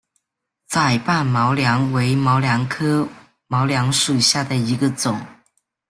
窄瓣毛茛为毛茛科毛茛属下的一个种。